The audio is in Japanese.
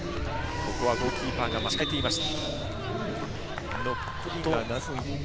ここはゴールキーパーが待ち構えていました。